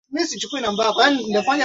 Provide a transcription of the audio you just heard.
kuelekea Tanzania kwenye bonde la Bahi